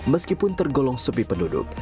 meskipun tergolong sepi penduduk